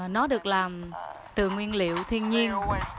nó được làm từ nguyên liệu thiên nhiên